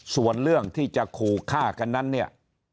ส่วนเรื่องที่จะขู่ฆ่ากันนั้นเนี่ย